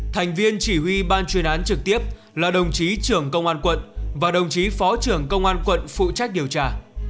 thành viên chỉ huy ban chuyên án trực tiếp là đồng chí trưởng công an quận và đồng chí phó trưởng công an quận phụ trách điều tra